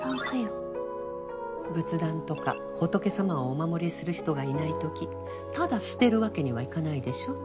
仏壇とか仏様をお守りする人がいないときただ捨てるわけにはいかないでしょ？